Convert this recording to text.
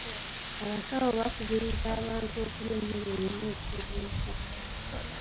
Abasawo bakubiriza abantu okulya emmere erimu ekiriisa.